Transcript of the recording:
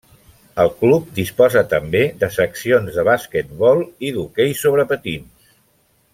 El club disposa també de seccions de basquetbol i d'hoquei sobre patins.